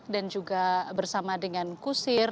dan juga bersama dengan kusir